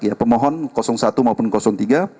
ya pemohon satu maupun tiga